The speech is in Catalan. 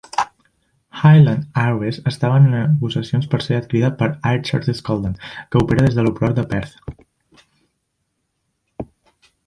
Highland Airways estava en negociacions per ser adquirida per Air Charter Scotland, que opera des de l'aeroport de Perth.